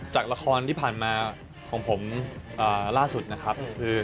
จากละครที่ผ่านมาของผมล่าสุดนะครับคือ